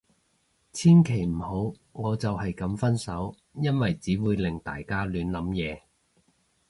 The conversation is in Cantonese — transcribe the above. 千祈唔好，我就係噉分手。因為只會令大家亂諗嘢